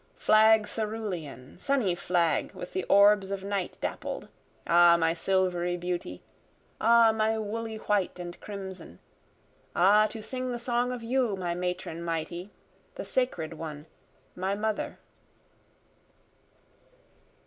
Flag cerulean sunny flag, with the orbs of night dappled! Ah my silvery beauty ah my woolly white and crimson! Ah to sing the song of you, my matron mighty! My sacred one, my mother.